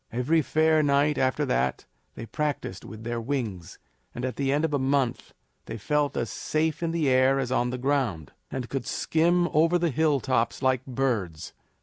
Every fair night after that they practiced with their wings, and at the end of a month they felt as safe in the air as on the ground, and could skim over the hilltops like birds.